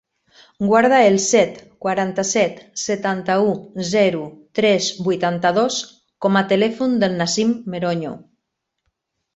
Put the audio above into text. Guarda el set, quaranta-set, setanta-u, zero, tres, vuitanta-dos com a telèfon del Nassim Meroño.